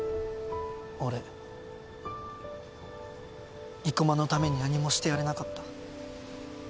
俺生駒のために何もしてやれなかった。